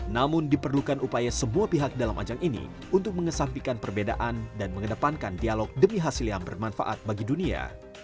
namun diperlukan upaya semua pihak dalam ajang ini untuk mengesampikan perbedaan dan mengedepankan dialog demi hasil yang bermanfaat bagi dunia